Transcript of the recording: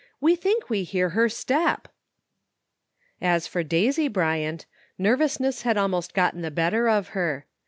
We think we hear her step !" As for Daisy Bryant, nervousness had almost gotten the better of her.